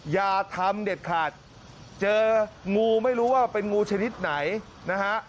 อย่าทำเด็ดขาดเจองูไม่รู้ว่าเป็นงูชนิดไหนนะฮะ